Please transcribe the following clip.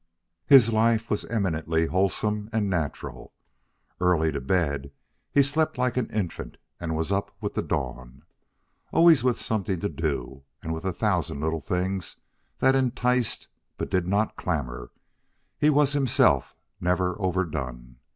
His life was eminently wholesome and natural. Early to bed, he slept like an infant and was up with the dawn. Always with something to do, and with a thousand little things that enticed but did not clamor, he was himself never overdone.